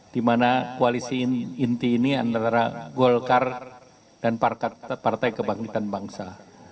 dimana koalisi inti ini antara golkar dan partai kebangkitan bangsa